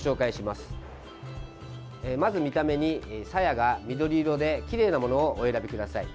まず、見た目にさやが緑色できれいなものをお選びください。